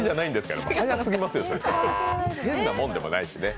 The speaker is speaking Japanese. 変なもんでもないしね。